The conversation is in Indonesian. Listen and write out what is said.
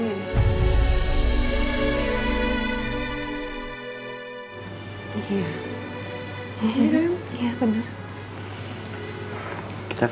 ini tuh angkap harusnya ada menu